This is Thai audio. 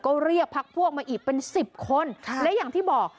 ก็เรียกพักพวกมาอีกเป็นสิบคนและอย่างที่บอก